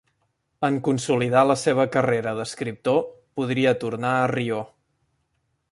En consolidar la seva carrera d'escriptor, podria tornar a Rio.